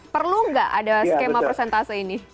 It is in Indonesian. perlu nggak ada skema persentase ini